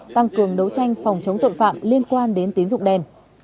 tăng cường đấu tranh phòng chống tội phạm liên quan đến tín dụng đen